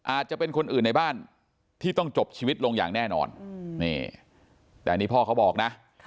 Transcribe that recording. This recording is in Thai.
อาจจะเป็นคนอื่นในบ้านที่ต้องจบชีวิตลงอย่างแน่นอนนี่แต่อันนี้พ่อเขาบอกนะ